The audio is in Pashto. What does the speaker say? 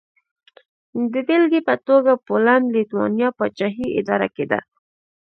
د بېلګې په توګه پولنډ-لېتوانیا پاچاهي اداره کېده.